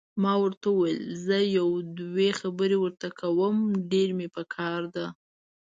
ما ورته وویل: زه یو دوې خبرې ورته کوم، ډېره مې پکار ده.